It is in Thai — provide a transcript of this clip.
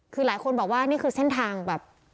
คือหลายคนบอกว่านี่คือเส้นทางแบบ